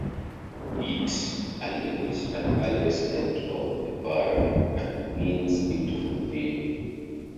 East, a linguist and early resident of the borough, and means beautiful view.